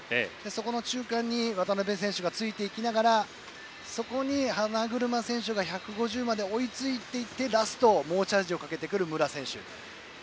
そこの中間に渡辺選手がついていきながらそこに花車選手が１５０までに追いついていってラスト猛チャージをかけてくる武良選手。